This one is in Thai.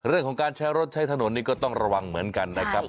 เรื่องของการใช้รถใช้ถนนนี่ก็ต้องระวังเหมือนกันนะครับ